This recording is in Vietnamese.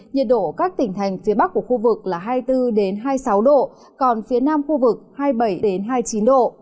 nhiệt độ các tỉnh thành phía bắc của khu vực là hai mươi bốn hai mươi sáu độ còn phía nam khu vực hai mươi bảy hai mươi chín độ